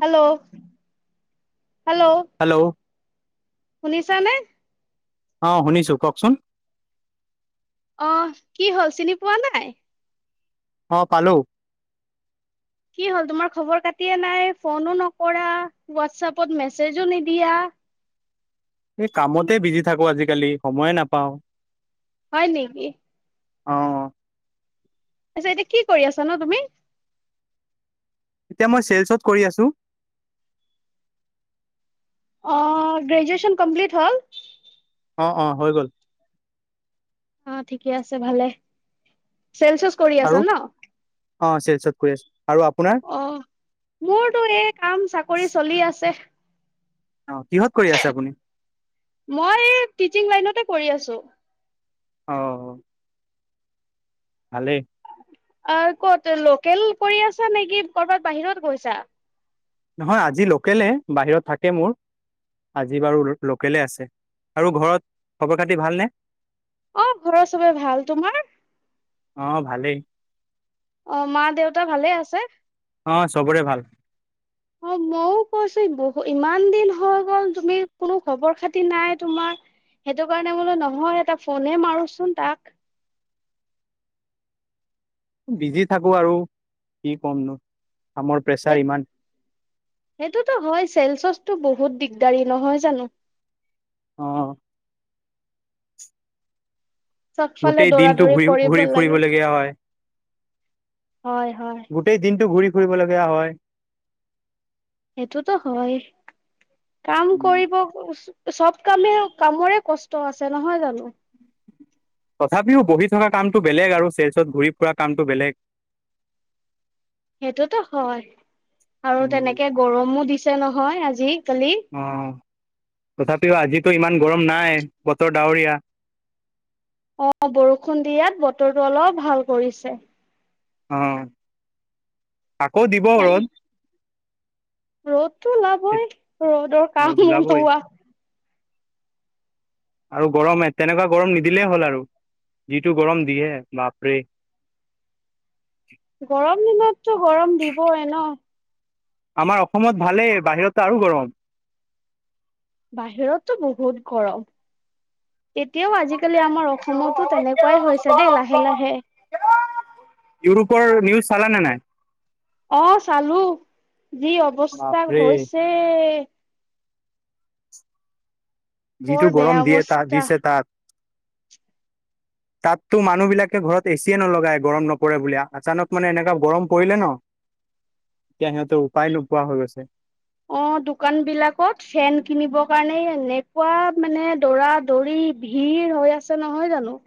Hello hello hello শুনিছা নে? অ শুনিছোঁ। কওকচোন? অ কি হ'ল চিনি পোৱা নাই? অ পালোঁ। কি হ'ল তোমাৰ খবৰ কাটিয়ে নাই? ফোনো নকৰা, হোৱাটছপত মেছেজো নিদিয়া? এই কামতে বিজি থাকো আজিকালি সময়ে নাপাওঁ। হয় নেকি? অ। আছা এতিয়া কি কৰি আছা ন তুমি? এতিয়া মই চিয়েলচত কৰি আছো। অ গ্ৰেজুৱেচন কমপ্লিট হ'ল? অ অ হৈ গ'ল। অ ঠিকে আছে ভালে। চলচ- আৰু অ চেলচ- কৰি আছ আৰু, আপোনাৰ? অ মোৰতো এই কাম চাকৰি চলি আছে। অ কিহত কৰি আছে আপুনি? মই টিচিং লাইনতে কৰি আছো। অ। ভালে। অ ক'ত লোকেল কৰি আছা নেকি কৰ'বাত বাহিৰত গৈছা? নহয় আজি লোকেলে বাহিৰত থাকে মোৰ। আজি বাৰু লোকেলে আছে আৰু ঘৰত খবৰ খাতি ভালনে? অ ঘৰৰ চবে ভাল। তোমাৰ? অ ভালেই। অ মা দেউতা ভালে আছে? অ চবৰে ভাল। [inaudible] অ মইও কৈছো বহু ইমান দিন হৈ গ'ল তুমি কোনো খবৰ খাতি নাই তোমাৰ? সেইটো কাৰণে বোলো নহয় এটা ফোনে মাৰোচোন তাক। বিজি থাকো আৰু কি ক'ম নো কামৰ সেই প্ৰেছাৰ ইমান। সেইটোতো হয় চেলচতো বহুত দিগদাৰী নহয় জানো অ চবফালে গোটেই দৌৰা দিনটো দৌৰি ঘূৰি কৰিব ঘূৰি লাগে ফুৰিবলগীয়া হয় হয় হয় গোটেই দিনটো ঘূৰি ফুৰিবলগীয়া হয় সেইটোতো হয় কাম উম, কৰিব চব কামে কামৰে কষ্ট আছে নহয় জানো তথাপিও বহি থকা কামটো বেলেগ আৰু চেলচত ঘূৰি ফুৰা কামটো বেলেগ সেইটোতো হয় আৰু তেনেকে গৰমো দিছে নহয় আজি কালি। অ তথাপিও আজিতো ইমান গৰম নাই বতৰ ডাৱৰীয়া। অ', বৰষুণ দিয়াত বতৰটো অলপ ভাল কৰিছে। অ' আকৌ দিব ৰ'দ। ৰ'দতটো ওলাবই ৰ'দৰ ৰ'দ কাম ওলাবই ওলোৱা। আৰু গৰম তেনেকুৱা গৰম নিদিলেই হ'ল আৰু যিটো গৰম দিয়ে বাপৰে। গৰম দিনততো গৰম দিবই ন। আমাৰ অসমত ভালেই বাহিৰতো আৰু গৰম। বাহিৰততো বহুত গৰম। এতিয়াও আজিকালি আমাৰ অসমতো তেনেকুৱাই হৈছে দেই লাহে লাহে। ইউৰোপৰ নিউজ চালা নে নাই? অ', চালো যি অৱস্থা বাপৰে হৈছে। যিটো বৰ গৰম বেয়া দিয়ে তাত অৱস্থা দিছে তাত। তাততো মানুহ বিলাকে ঘৰত এচিয়ে নলগাই গৰম নপৰে বুলি আচানক মানে এনেকুৱা গৰম পৰিলে ন'। [unintelligible] এতিয়া সিহঁতৰ উপায় নোপোৱা হৈ গৈছে। অ', দোকান বিলাকত ফেন কিনিবৰ কাৰণে এনেকুৱা মানে দৰা দৌৰি ভিৰ হৈ আছে নহয় জানো।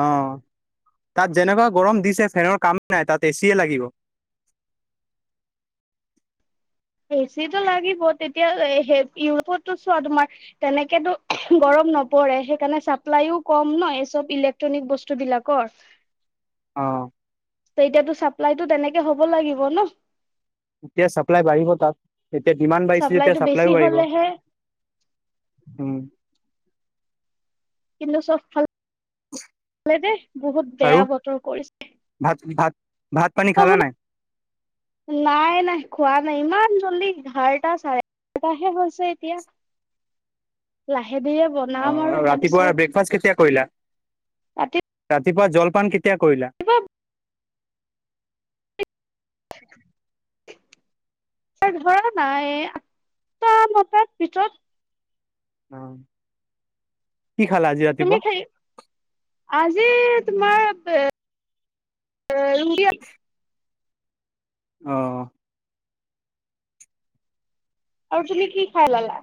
অ', তাত যেনেকুৱা গৰম দিছে ফেনৰ কামেই নাই তাত এচিয়ে লাগিব। এচিটো লাগিবই তেতিয়া সেই ইউৰোপতো চোৱা তোমাৰ তেনেকেতো গৰম নপৰে সেইকাৰণে চাপ্লাইও কম নহ এই চব ইলেক্ট্ৰনিক বস্তুবিলাকৰ। অ এতিয়াতো চাপ্লাইতটো তেনেকে হব লাগিব ন'। এতিয়া চাপ্লাই বাঢ়িব তাত যেতিয়া ডিমাণ্ড বাঢ়িছে যেতিয়া চাপ্লাইটো বেছি চাপ্লাইও বাঢ়িব। হলেহে উম। কিন্তু চব ফালে দে বহুত আৰু বেয়া বতৰ কৰিছে। ভাত ভাত ভাত পানী অ খালা নাই? নাই নাই খোৱা নাই ইমান জল্দি এঘাৰটা চাৰে এঘাৰটা এটাহে হৈছে এতিয়া লাহে ধীৰে ব অ', ৰাতিপুৱা ব্ৰেকফাষ্ট কেতিয়া কৰিলা ৰাতি ৰাতিপুৱা জলপান কেতিয়া কৰিলা? ধৰা নাই আঠটা নটাৰ ভিতৰত। অ'। কি খালা আজি তুমি ৰাতিপুৱা খাই আজি তোমাৰ। [unintelligible] অ'। আৰু তুমি কি খাই ললা?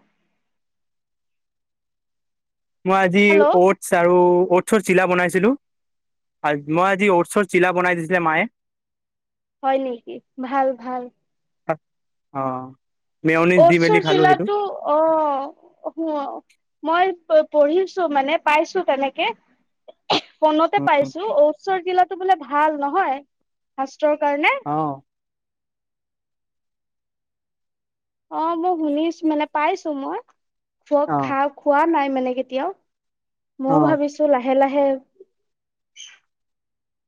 মই আজি হেল্ল' অটছ আৰু অটছৰ চিলা বনাইছিলো। আ মই আজি অটচৰ চিলা বনাই দিছিলে মায়ে। হয় নেকি? ভাল ভাল। অ মেয়নিছ্‌ দি মেলি খালো সেইটো। অঁ হুঁঅ মই প্‌--পঢ়িছো মানে পাইছো তেনেকে। ফোণতে পাইছোঁ। ওচৰ গিলাটো বোলে ভাল নহয় ফাষ্টৰ কাৰণে। অঁ অঁ মই শুনিছ্‌ মানে পাইছোঁ মই। অ', খুৱ-খা-খোৱা নাই মানে কেতিয়াও। মও অ', ভাৱিছোঁ লাহে লাহে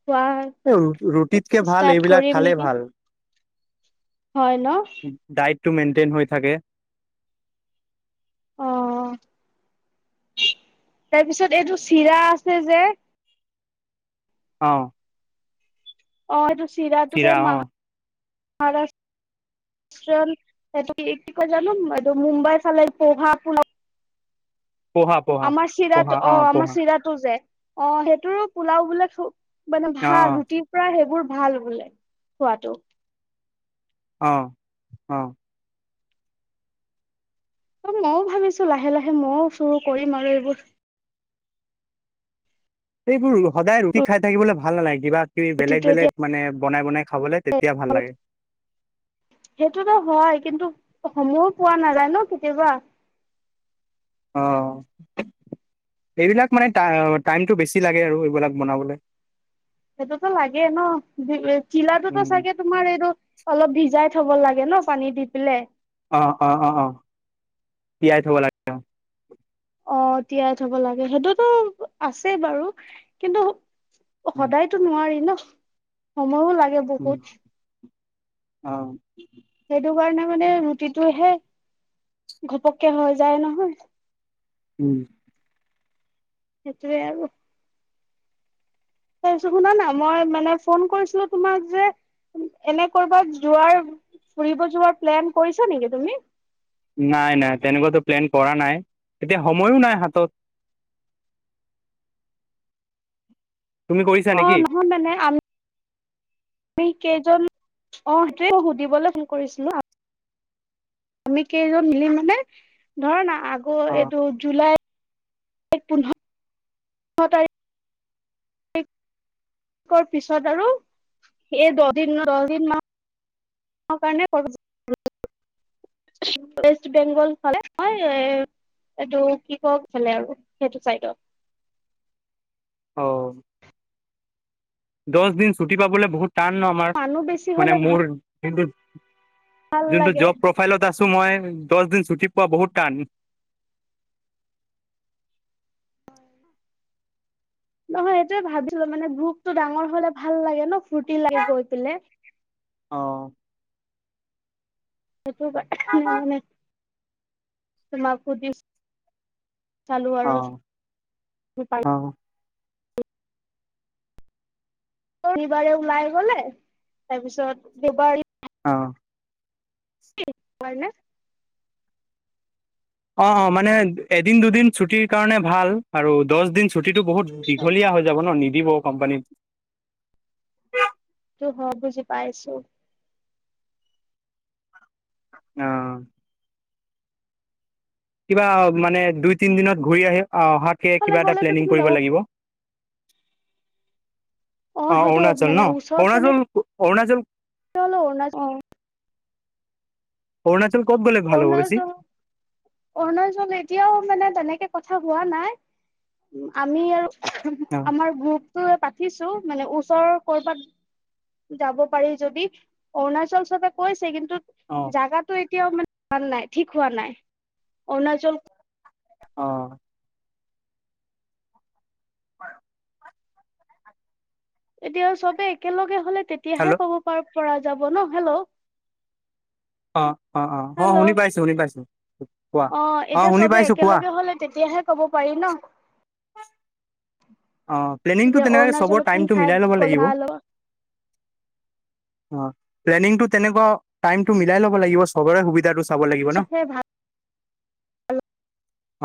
খোৱা এ ৰু--ৰুটিত্‌কে ভাল ষ্টাৰ্ট এইবিলাক কৰিম খালে নেকি ভাল। হয় ন'? ডায়ট্‌টো মেইন্‌টেইন্‌ হৈ থাকে। অ' তাৰপিছত এইটো চিৰা আছে যে অঁ অঁ এইটো চিৰাটো যে চিৰা অ', মাহা--ৰাষ্ট [unintelligible] পহা পহা। আমাৰ পহা চিৰাটো, অ', অঁ--আমাৰ পহা চিৰাটো যে অঁ, সেইটোৰো পোলাও বোলে চো--মানে, অ', ভাল অ', ৰুটি প্ৰায় সেইবোৰ ভাল বোলে, খোৱাটো। অঁ, অঁ। আৰু মও ভাৱিছোঁ, লাহে লাহে মও চুৰো কৰিম আৰু এইবোৰ। এইবোৰ ৰু সদায় ৰুটি খাই থাকিবলে ভাল নালাগে, কিবা - কিবি বেলেগ ৰুটিটো বেলেগ এতিয়া মানে, বনাই বনাই খাবলে তেত্‌ তিয়া ভাল লাগে। সেইটোতো হয় কিন্তু সময় পোৱা নাযায় ন' কেতিয়াবা। অঁ, এইবিলাক মানে টাই টাইমটো বেছি লাগে আৰু এইবিলাক বনাবলে। সেইটোতো লাগেই ন'? জি-ই চিৰাটোতো উম, চাগে তোমাৰ এইটো অলপ ভিজাই থব লাগে ন'? পানী দি পেলাই। অঁ, অঁ অঁ অঁ, তিয়াই থব লাগ্‌ অঁ- তিয়াই থব লাগে। সেইটোতো আছে বাৰু কিন্তু উম, সদায় টো নোৱাৰি ন' সময়ো লাগে। ওঁ, বহুত অঁ সেইটো কাৰণে মানে, ৰুটিটোহে ঘপক্‌কে হৈ যায় নহয়। ওঁ। সেইটোৱে আৰু। তাৰপিছত শুনা না, মই মানে ফোন কৰিছিলোঁ তোমাক যে এনে কৰবাত যোৱাৰ ফুৰিব যোৱাৰ প্লেন কৰিছা নেকি তুমি? নাই, নাই। তেনেকুৱাটো প্লেন কৰা নাই। এতিয়া সময়ো নাই হাতত। তুমি কৰিছা অ নেকি? মানে আম্‌ মি কেইজন, অঁ সেইটোৱেই সুধিবলৈ ফোন কৰিছিলোঁ। আ আমি কেইজন মিলি মানে, ধৰ না আগ অ এইটো জুলাই পোন্ধ-ৰ তাৰিখ্‌ খৰ পিছত আৰু এই দহ দিন দহ দিন মানৰ কাৰণে কৰবাত যোৱাৰ ৱেষ্ট বেংগল ফালে হয় এ এইটো কিক্‌কক ফালে আৰু সেইটো চাইডত। অহ। দহ দিন ছুটি পাবলৈ বহুত টান ন আমাৰ, মানুহ বেছি মানে হলে মোৰ। ভাল যোনটো, ভাল যোনটো লাগে জব প্ৰফাইলত আছোঁ মই, দহদিন ছুটী পোৱা বহুত টান। নহয় এইটোয়েই ভাবিলো মানে গ্ৰুপটো ডাঙৰ হ'লে ভাল লাগে ন, ফূৰ্তি লাগে গৈ পেলাই। অহ। সেইটো কাৰণে মানে তোমাক সুধিছোঁ। চালো অ আৰু। অ অ শনিবাৰে ওলাই গ'লে, তাৰপিছত দেওবাৰে- অহ। [unintelligible] অ', অ', মানে এদিন দুদিন ছুটিৰ কাৰণে ভাল আৰু দহ দিন ছুটিটো বহুত দীঘলীয়া হৈ যাব ন, নিদিব কোম্পানীত। সেইতো হয়, বুজি পাইছো। অহ। কিবা মানে দুই তিন দিনত ঘূৰি আহি, অহাকে সেইফালে কিবা এটা গ'লেতো প্লেনিং তুমি যাব কৰিব লাগিব। অ', সেইটো অৰুণাচল মানে ন, অৰুণাচল অৰুণাচল। চল অৰুণাচল অ। অৰুণাচল ক'ত গ'লে ভাল হ'ব বেছি অৰুণাচল। অৰুণাচল এতিয়াও মানে তেনেকে কথা হোৱা নাই আমি আৰু- অ আমাৰ গ্ৰুপটো পাতিছো মানে ওচৰৰ ক'বাত। যাব পাৰি যদি অৰুণাচল চবে কৈছে কিন্তু- অঁ, জেগাটো এতিয়াও মানে ভাল হোৱা‌ নাই ঠিক হোৱা নাই অৰুণাচল। অ, হয়। এতিয়া চবে একেলগে হলে তেতিয়াহে হেল্ল' কব প পৰা যাব ন হেল্ল', অঁ অঁ অঁ অ শুনি হেল্ল' পাইছোঁ শুনি পাইছোঁ কোৱা অ অঁ এতিয়া শুনি চবে পাইছোঁ কোৱা। একেলগে হ'লে তেতিয়াহে। ক'ব পাৰি ন। অ প্লেনিংটো যে তেনেকে চবৰ অৰুণাচল কোন টাইমটো ঠাই মিলাই ল'ব গ'লে লাগিব ভাল হ'ব? [inaudible] অ প্লেনিং তেনেকুৱা টাইমটো মিলাই ল'ব লাগিব চবৰে সুবিধাটো। চাব লাগিব ন চবে ভাল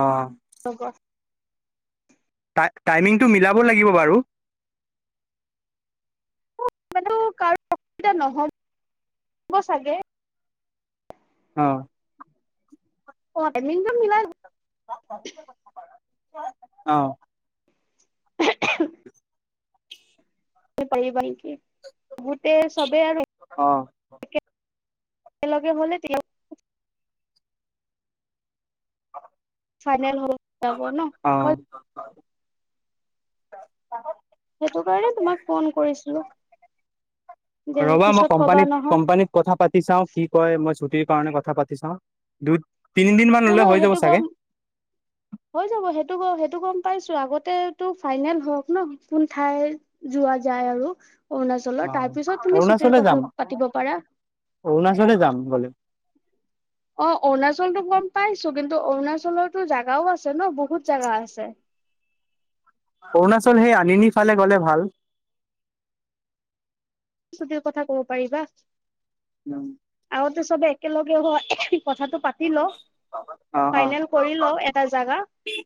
অঁ, হব। তাই টাইমিংটো মিলাব লাগিব বাৰু কাৰো অসুবিধা নহয় চাগে? অ, [unintelligible] আহ, পাৰিবা ক গোটেই চবে আহে অ, একেলগে হ'লে, ফাইনেল হ'ল। অ, সেইটো কাৰণে তোমাক ফোন কৰিছিলোঁ। ৰ'বা মই কবা কম্পানীত নহয় কম্পানীত কথা পাতি চাওঁ কি কয় মই ছুটিৰ কাৰণে কথা পাতি চাওঁ। দুই তিনিদিন মান হ'লে নহয় হৈ যাব সেইটো চাগে গম হৈ যাব সেইটো বাৰু সেইটো গম পাইছোঁ আগতেটো ফাইনেল হওঁক ন কোন ঠাইৰ যোৱা যায় আৰু অ অৰুণাচলৰ। তাৰ পিছত তুমি ছুটিৰ অৰুণাচলে যাম কথা পাতিব পাৰা। অৰুণাচলে যাম গ'লে। অ অৰুণাচলটো গম পাইছোঁ কিন্তু অৰুণাচলৰটো জাগাও আছে ন বহুত জাগা আছে। অৰুণাচল সেই আনিনী ফালে গ'লে ভাল। কথা ক'ব পাৰিবা। যাম। আগতে চবে একেলগে হৈ কথাটো পাতি ল' অ অ ফাইনেল কৰি ল' এটা জাগা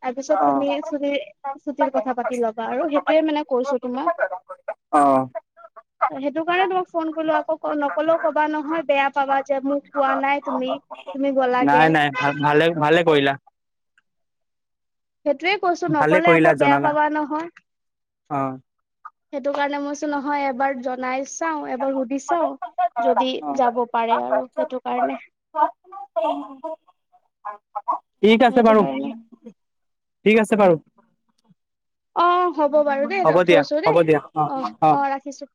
তাৰপিছত তুমি অ ছু ছুটিৰ কথা পাতি ল'বা আৰু সেইটোৱে মানে কৈছোঁ তোমাক। অহ। সেইটো কাৰণে তোমাক ফোন কৰিলোঁ আকৌ নকলেও ক'বা নহয় বেয়া পাবা যে মোক কোৱা নাই তুমি। তুমি নাই গ'লাগে নাই ভাল ভালে ভালে কৰিলা। সেইটোৱে কৈছোঁ ভালে নকলে আকৌ কৰিলা বেয়া জনালা পাবা নহয়। অ সেইটো কাৰণে মইছো নহয় এবাৰ জনাই চাওঁ এবাৰ সুধি চাওঁ যদি যাব পাৰে আৰু সেইটো কাৰণে। ঠিক আছে সেইটো বাৰু। কাৰণে ঠিক আছে বাৰু, অ হ'ব বাৰু হ'ব দিয়া হ'ব দিয়া অ অ। ৰাখিছোঁ।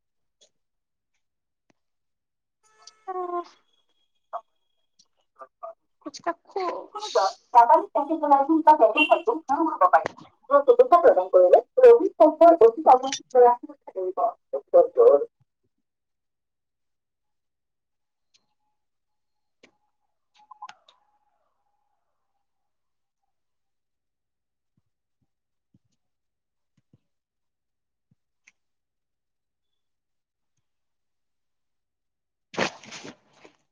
উম। [unintelligible] [unintelligible] [unintelligible] [unintelligible] [unintelligible]